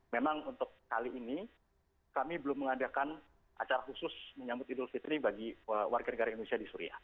memang untuk kali ini kami belum mengadakan acara khusus menyambut idul fitri bagi warga negara indonesia di suria